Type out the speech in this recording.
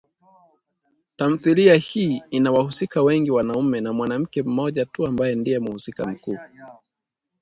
Tamthilia hii ina wahusika wengi wanaume na mwanamke mmoja tu ambaye ndiye mhusika mkuu